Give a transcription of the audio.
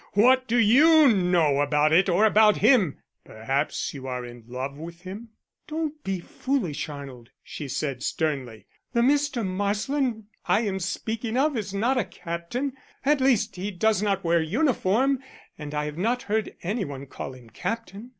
What do you know about it or about him? Perhaps you are in love with him?" "Don't be foolish, Arnold," she said sternly. "The Mr. Marsland I am speaking of is not a captain at least, he does not wear uniform, and I have not heard any one call him 'captain.'